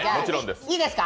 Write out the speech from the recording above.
いいですか？